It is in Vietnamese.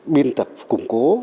biên tập củng cố